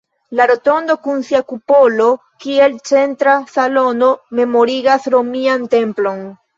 La rotondo kun sia kupolo kiel centra salono memorigas romian templon.